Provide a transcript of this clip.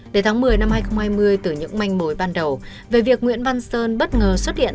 đến tháng một mươi năm hai nghìn hai mươi từ những manh mối ban đầu về việc nguyễn văn sơn bất ngờ xuất hiện